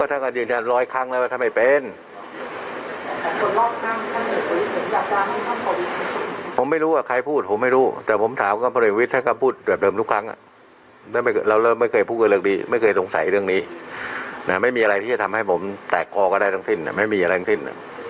ทำให้ผมแตกคอกันได้ทั้งสิ้นไม่มีอะไรทั้งสิ้น